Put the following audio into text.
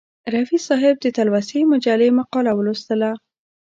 رفیع صاحب د تلوسې مجلې مقاله ولوستله.